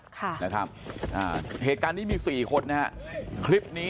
ที่เหตุการณ์ที่มี๔คนนะครับ